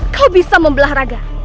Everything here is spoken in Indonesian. kau bisa membelah raga